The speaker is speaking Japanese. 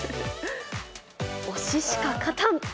「推ししか勝たん！」